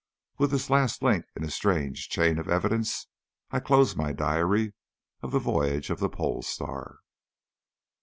With this last link in a strange chain of evidence I close my diary of the voyage of the Pole Star.